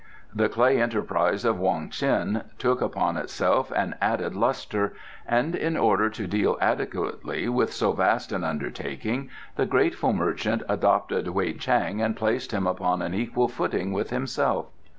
The clay enterprise of Wong Ts'in took upon itself an added lustre, and in order to deal adequately with so vast an undertaking the grateful merchant adopted Wei Chang and placed him upon an equal footing with himself.